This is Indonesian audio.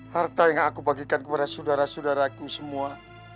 harta yang aku bagikan kepada saudara saudaraku semua